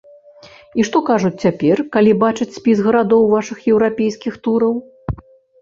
І што кажуць цяпер, калі бачаць спіс гарадоў вашых еўрапейскіх тураў?